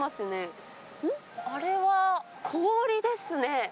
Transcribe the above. あれは氷ですね。